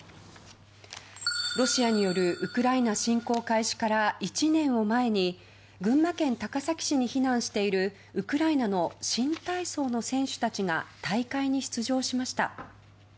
ロシアによるウクライナ侵攻開始から１年を前に群馬県高崎市に避難しているウクライナの新体操の選手たちが大会に出場しました。